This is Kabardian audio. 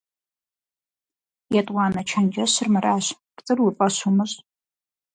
ЕтӀуанэ чэнджэщыр мыращ: пцӀыр уи фӀэщ умыщӀ.